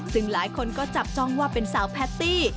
ซึ่งหลายคนก็จับจ้องว่าเป็นสาวแพตตี้